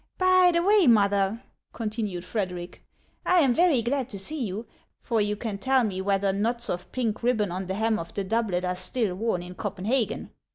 " By the way, mother," continued Frederic, " I am very glad to see you, for you can tell me whether knots of pink ribbon on the hem of the doublet are still worn in Copen hagen.